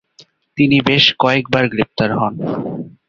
তিনি বেশ কয়েকবার গ্রেফতার হন।